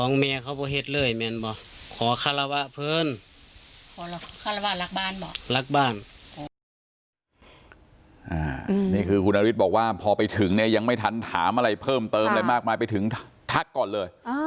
นี่คือคุณนฤทธิ์บอกว่าพอไปถึงเนี่ยยังไม่ทันถามอะไรเพิ่มเติมอะไรมากมายไปถึงทักก่อนเลย